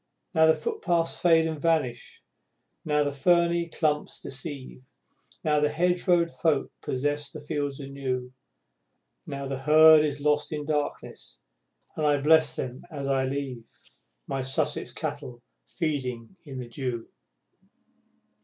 Now the footpaths fade and vanish; now the ferny clumps deceive; Now the hedgerow folk possess their fields anew; Now the Herd is lost in darkness, and I bless them as I leave, My Sussex Cattle feeding in the dew!